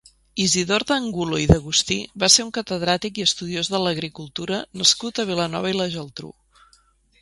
Isidor d'Angulo i d'Agustí va ser un catedràtic i estudiós de l'agricultura nascut a Vilanova i la Geltrú.